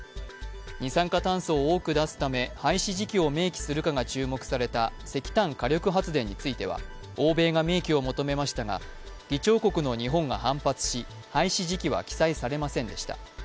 二酸化炭素を多く出すため廃止時期を明記するかが注目された石炭火力発電については欧米が明記を求めましたが議長国の日本が反発し廃止時期は記載されませんでした。